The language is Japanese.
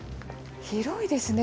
広いですね。